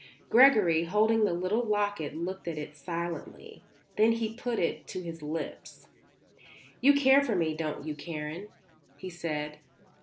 Gregory, holding the little locket, looked at it silently. Then he put it to his lips. "You care for me, don't you, Karen?" he said.